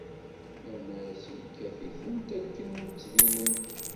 Nnan-as yekkat-itent akken ur ttbinent.